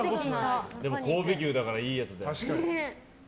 でも神戸牛だからいいやつだよ。